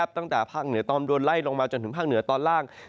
ตั้งแต่ภาคเหนือตอนโดนไล่ลงมาจนถึงภาคเหนือตอนล่าง